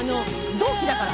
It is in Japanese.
同期だから。